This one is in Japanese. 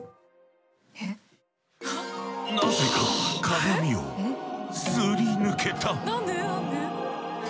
なぜか鏡をすり抜けた。